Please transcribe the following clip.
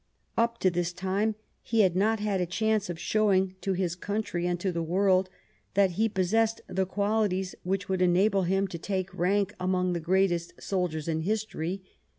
Up to this time he had not had a chance of showing to his country and to the world that he possessed the qualities which would enable him to take rank among the greatest soldiers in history.